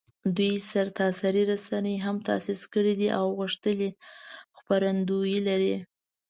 دوی سرتاسري رسنۍ هم تاسیس کړي دي او غښتلي خپرندویې لري